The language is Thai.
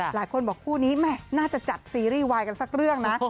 หลายคนบอกคู่นี้แม่น่าจะจัดซีรีส์วายกันสักเรื่องนะ